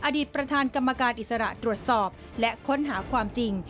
อดีตประธานกรรมการอิสระตรวจสอบและค้นหาความจริง